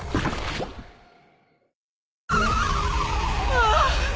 ああ！